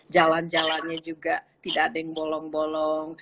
jalan jalannya juga tidak ada yang bolong bolong